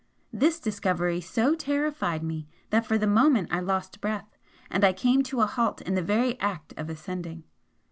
This discovery so terrified me that for the moment I lost breath, and I came to a halt in the very act of ascending.